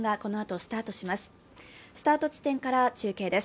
スタート地点から中継です。